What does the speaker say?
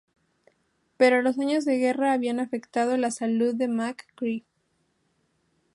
Pero los años de guerra habían afectado a la salud de McCrae.